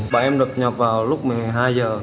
bạn em đột nhập vào lúc một mươi hai h